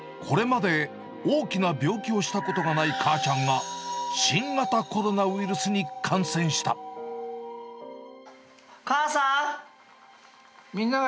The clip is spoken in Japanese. これまで、大きな病気をしたことがない母ちゃんが新型コロナウイルスに感染母さん。